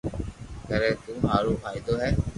ڪري تو ٿو ھارو فائدو ھي